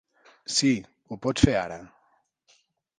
Sí, ho pots fer ara.